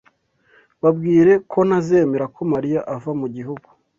Babwire ko ntazemera ko Mariya ava mu gihugu .